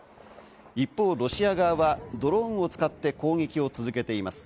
一方、ロシア側はドローンを使って攻撃を続けています。